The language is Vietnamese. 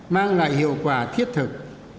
mang lại hiệu quả thiết thực